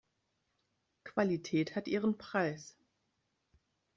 Qualität hat ihren Preis.